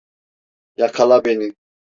Yakala beni!